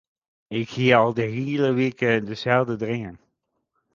Ik hie al de hiele wike deselde dream.